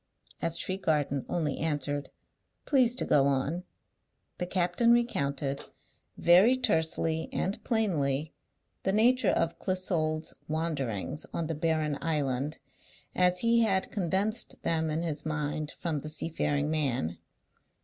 As Tregarthen only answered, "Please to go on," the captain recounted, very tersely and plainly, the nature of Clissold's wanderings on the barren island, as he had condensed them in his mind from the seafaring man.